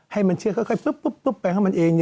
ให้มันเชื้อค่อยแปลงเข้ามันเอง